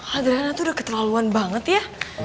adrena tuh udah keterlaluan banget ya